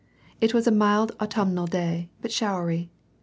It was a mild autumnal day, but showery.